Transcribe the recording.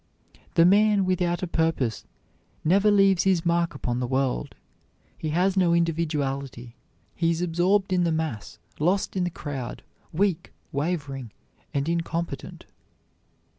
The man without a purpose never leaves his mark upon the world. He has no individuality; he is absorbed in the mass, lost in the crowd, weak, wavering, and incompetent.